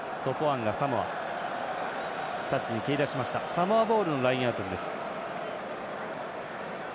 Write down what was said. サモアボールのラインアウトです。